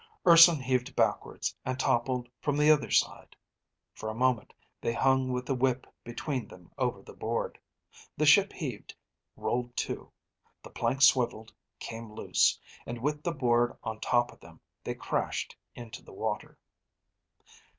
Urson heaved backwards, and toppled from the other side. For a moment they hung with the whip between them over the board. The ship heaved, rolled to. The plank swiveled, came loose; and with the board on top of them, they crashed into the water.